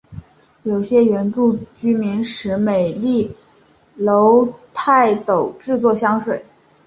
有些原住民使用美丽耧斗菜制作香水。